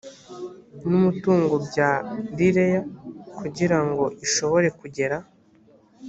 n umutungo bya rlea kugira ngo ishobore kugera